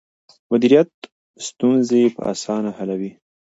مديريت ستونزې په اسانه حلوي.